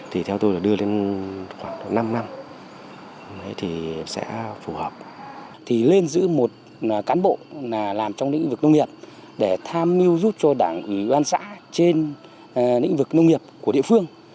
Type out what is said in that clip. thì lên giữ một cán bộ làm trong lĩnh vực nông nghiệp để tham mưu giúp cho đảng ủy ban xã trên lĩnh vực nông nghiệp của địa phương